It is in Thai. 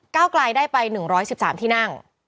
กลายได้ไป๑๑๓ที่นั่ง